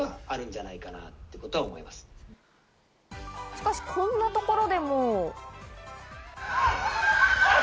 しかし、こんなところでも。